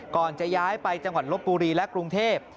ก่อนจะย้ายไปจังหวัดลบบุรีและกรุงเทพ